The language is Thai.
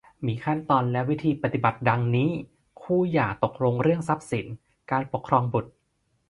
มีขั้นตอนและวิธีปฏิบัติ ดังนี้ คู่หย่าตกลงเรื่องทรัพย์สิน การปกครองบุตร